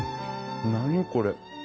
何これ！